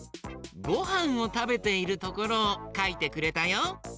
ごはんをたべているところをかいてくれたよ。